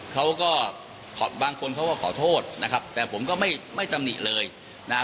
เขาก็บางคนเขาก็ขอโทษนะครับแต่ผมก็ไม่ไม่ตำหนิเลยนะฮะ